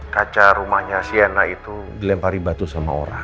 kaca rumahnya siena itu dilempari batu sama orang